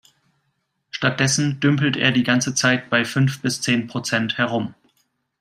Stattdessen dümpelt er die ganze Zeit bei fünf bis zehn Prozent herum.